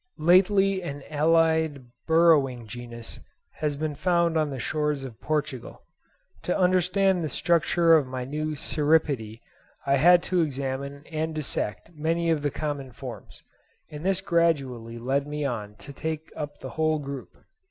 Lately an allied burrowing genus has been found on the shores of Portugal. To understand the structure of my new Cirripede I had to examine and dissect many of the common forms; and this gradually led me on to take up the whole group.